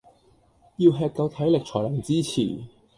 要吃夠體力才能支持